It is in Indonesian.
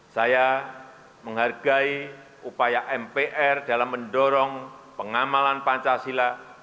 saya menghargai upaya mpr dalam mendorong pengamalan pancasila